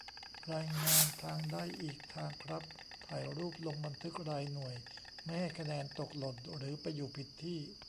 รายงานทาง ได้อีกทางครับ ถ่ายรูป ลงบันทึกรายหน่วย ไม่ให้คะแนนตกหล่นหรือไปอยู่ผิดที่